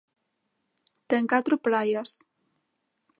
Ten catro praias.